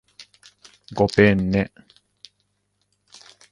ごぺんね